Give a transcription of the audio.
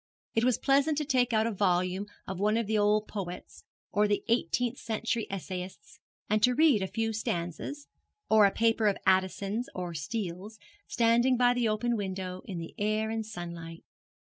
It was pleasant to take out a volume of one of the old poets, or the eighteenth century essayists, and to read a few stanzas, or a paper of Addison's or Steele's, standing by the open window in the air and sunlight.